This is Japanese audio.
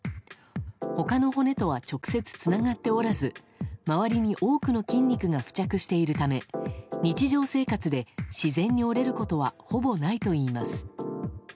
他の骨とは直接つながっておらず周りに多くの筋肉が付着しているため日常生活で自然に折れることはほぼないといいます。